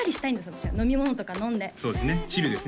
私は飲み物とか飲んでそうですねチルですね